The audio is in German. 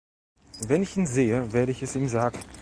Wenn ich ihn sehe, werde ich es ihm sagen.